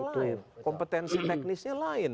lain kompetensi teknisnya lain